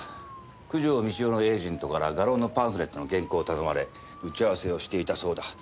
九条美千代のエージェントから画廊のパンフレットの原稿を頼まれ打ち合わせをしていたそうだ。